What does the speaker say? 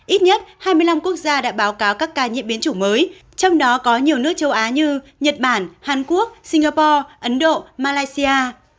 ít nhất hai mươi năm quốc gia đã báo cáo các ca nhiễm biến chủng mới trong đó có nhiều nước châu á như nhật bản hàn quốc singapore ấn độ malaysia